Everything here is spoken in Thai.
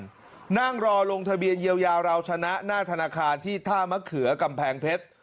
น่าเกมน่าไม่รอลงทะเบียนยาวยาวราวชนะหน้าธนาคารที่ท่ามะเขือกำแพงเพชร